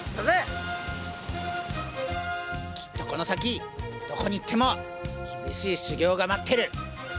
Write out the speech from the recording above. きっとこの先どこに行っても厳しい修業が待ってる。